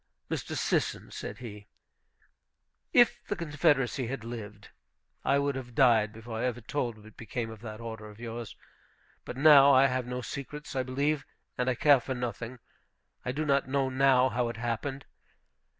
"Mr. Sisson," said he, "if the Confederacy had lived, I would have died before I ever told what became of that order of yours. But now I have no secrets, I believe, and I care for nothing. I do not know now how it happened.